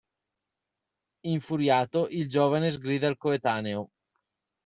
Infuriato, il giovane sgrida il coetaneo.